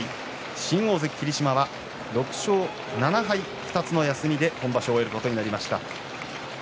新大関の霧島は６勝７敗２つの休みで今場所を終えることになりました。